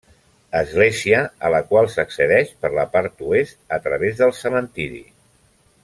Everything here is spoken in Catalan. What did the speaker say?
Església a la qual s'accedeix per la part oest a través del cementiri.